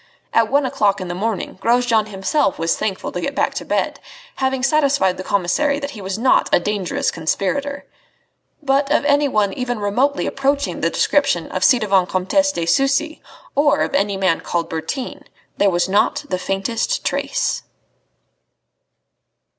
At one o'clock in the morning, Grosjean himself was thankful to get back to bed, having satisfied the commissary that he was not a dangerous conspirator. But of anyone even remotely approaching the description of the ci devant Comtesse de Sucy, or of any man called Bertin, there was not the faintest trace.